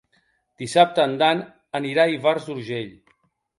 Dissabte en Dan anirà a Ivars d'Urgell.